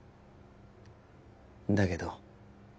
だけど